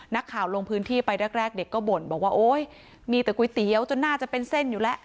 ลงพื้นที่ไปแรกเด็กก็บ่นบอกว่าโอ๊ยมีแต่ก๋วยเตี๋ยวจนน่าจะเป็นเส้นอยู่แล้ว